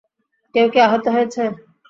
কেউ কি আহত হয়েছে?